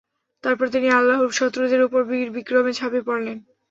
তারপর তিনি আল্লাহর শত্রুদের উপর বীরবিক্রমে ঝাঁপিয়ে পড়লেন।